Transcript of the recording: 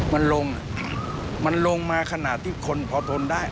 มันลงมันลงมาขนาดที่คนพอทนได้